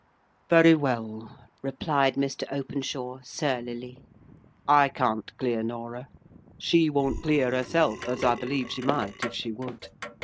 "Very well," replied Mr. Openshaw, surlily. "I can't clear Norah. She won't clear herself, as I believe she might if she would.